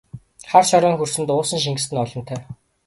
Хар шороон хөрсөнд уусан шингэсэн нь олонтой!